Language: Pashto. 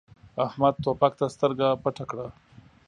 احمد توپک ته سترګه پټه کړه.